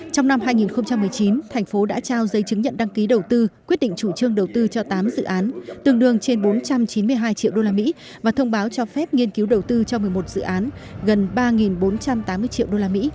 trong năm hai nghìn một mươi chín thành phố đã trao giấy chứng nhận đăng ký đầu tư quyết định chủ trương đầu tư cho tám dự án tương đương trên bốn trăm chín mươi hai triệu usd và thông báo cho phép nghiên cứu đầu tư cho một mươi một dự án gần ba bốn trăm tám mươi triệu usd